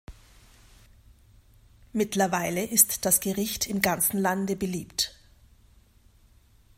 Mittlerweile ist das Gericht im ganzen Lande beliebt.